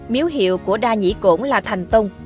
miếu hiệu của đa nhĩ cổn là thành tông